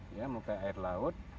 ya muka air laut